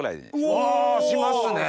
うわしますね。